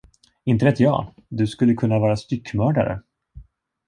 Inte vet jag, du skulle kunna vara styckmördare?